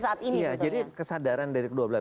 sebetulnya iya jadi kesadaran dari kedua belah